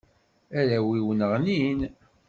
Arraw-iw nneɣnin.